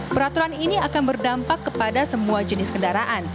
peraturan ini akan berdampak kepada semua jenis kendaraan